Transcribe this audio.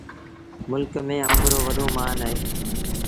ملڪ ميݩ آݩب رو وڏو مآݩ اهي۔